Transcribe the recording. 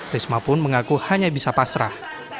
risma pun mengaku hanya bisa pasrah